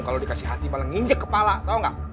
kalau dikasih hati malah nginjek kepala tau gak